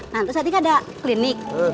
nah itu saat itu kan ada klinik